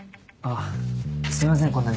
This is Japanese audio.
あっすいません